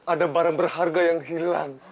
ada barang berharga yang hilang